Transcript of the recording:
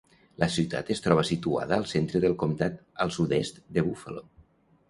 La ciutat es troba situada al centre del comtat, al sud-est de Buffalo.